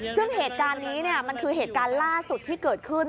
ซึ่งเหตุการณ์นี้มันคือเหตุการณ์ล่าสุดที่เกิดขึ้น